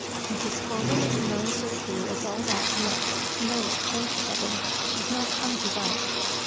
"Mrs. Coleman is none so poor as all that yet. No, thank Heaven! she's not come to that."